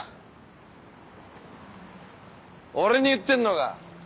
俺に言ってんのか。